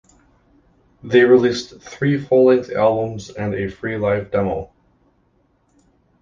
They released three full-length albums and a free live demo.